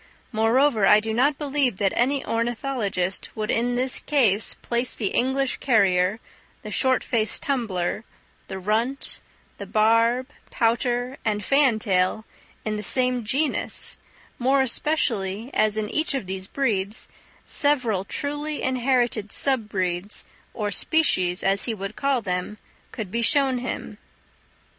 Moreover, I do not believe that any ornithologist would in this case place the English carrier, the short faced tumbler, the runt, the barb, pouter, and fantail in the same genus; more especially as in each of these breeds several truly inherited sub breeds, or species, as he would call them, could be shown him.